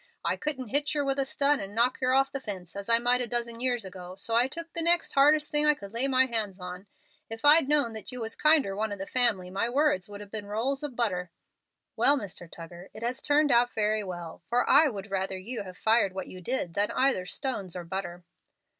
I couldn't hit yer with a stun and knock yer off the fence, as I might a dozen years ago, so I took the next hardest thing I could lay hands on. If I'd known that you was kinder one of the family my words would have been rolls of butter." "Well, Mr. Tuggar, it has turned out very well, for I would rather you had fired what you did than either stones or butter."